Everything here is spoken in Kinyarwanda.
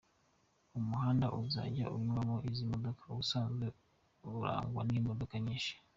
Umuhanda uzajya unyuramo izi modoka ubusanzwe urangwamo imodoka nyinshi.